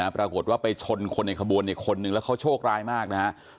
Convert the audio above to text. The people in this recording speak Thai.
ปรากฏว่าไปชนคนในคบวณนี่คนหนึ่งและเขาโชคร้ายมากนะครับ